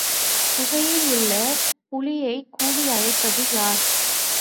குகையில் உள்ள புலியைக் கூவி அழைப்பது யார்?